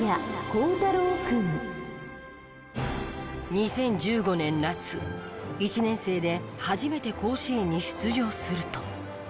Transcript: ２０１５年夏１年生で初めて甲子園に出場すると。